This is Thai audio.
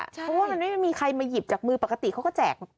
เพราะว่ามันไม่มีใครมาหยิบจากมือปกติเขาก็แจก